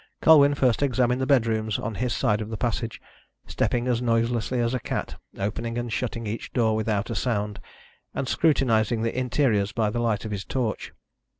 Colwyn first examined the bedrooms on his side of the passage, stepping as noiselessly as a cat, opening and shutting each door without a sound, and scrutinising the interiors by the light of his torch.